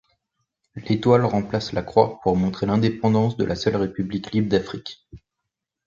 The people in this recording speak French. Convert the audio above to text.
L’étoile remplace la croix pour montrer l’indépendance de la seule République libre d’Afrique.